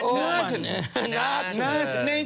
แบ่งคนละห้าสิบตังค์